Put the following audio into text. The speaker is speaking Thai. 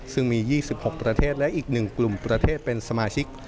ซึ่งมี๒๖ประเทศและอีก๑กลุ่มประเทศเป็นสมาชิก